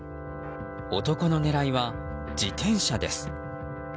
男の狙いは、自転車です。